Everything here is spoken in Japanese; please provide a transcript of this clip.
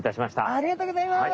ありがとうございます。